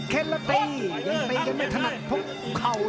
เคล็ดแล้วตียังไม่ถนัดพกเข่า